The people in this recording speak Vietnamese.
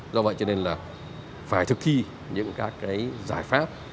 do vậy cho nên là phải thực thi những các cái giải pháp